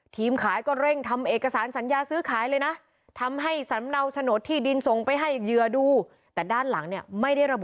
ทีมขายก็เร่งทำเอกสารสัญญาซื้อขายเลยนะ